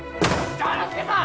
丈之助さん！